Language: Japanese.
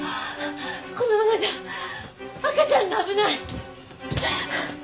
このままじゃ赤ちゃんが危ない！